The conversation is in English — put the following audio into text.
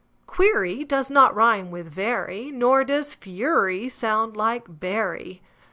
Query does not rime with very, Nor does fury sound like bury.